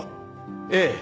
ええ。